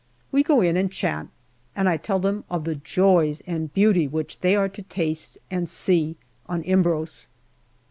We go in and chat, and I tell them of the joys and beauty which they are to taste and see on Imbros.